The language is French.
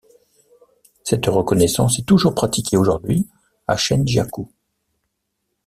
Cette reconnaissance est toujours pratiquée aujourd'hui à Chenjiagou.